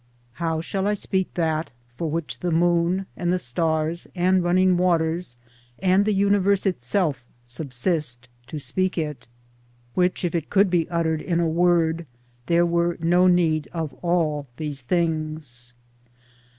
How shall I speak that for which the moon and the stars and running waters and the universe itself subsist, to speak it? — which if it could be uttered in a word there were no need of all these things.